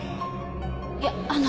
いやあの。